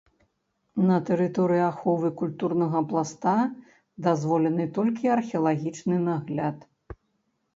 На тэрыторыі аховы культурнага пласта дазволены толькі археалагічны нагляд.